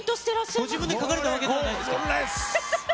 ご自分で描かれたわけではないですか。